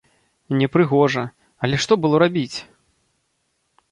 Непрыгожа, але што было рабіць?!